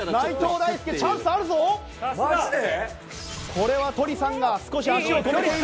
これはとりさんが少し足を止めている。